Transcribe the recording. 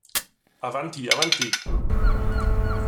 Avanti, Avanti!